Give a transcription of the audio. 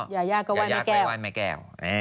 ยายาก็ไว้แม่แก้ว